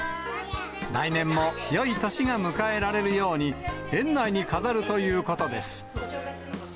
来年もよい年が迎えられるように、園内に飾るということです。